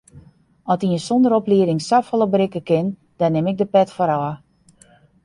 At ien sonder oplieding safolle berikke kin, dêr nim ik de pet foar ôf.